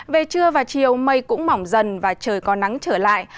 về trưa và chiều mây cũng mỏng dần và trời có nắng trở lại